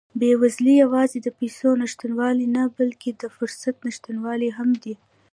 بېوزلي یوازې د پیسو نشتوالی نه، بلکې د فرصت نشتوالی هم دی.